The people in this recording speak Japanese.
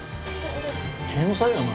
天才やな。